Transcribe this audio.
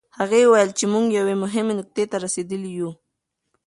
هغې وویل چې موږ یوې مهمې نقطې ته رسېدلي یوو.